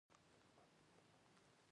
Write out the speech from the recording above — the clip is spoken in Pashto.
آیا بسکیټ او کیک له ایران نه راځي؟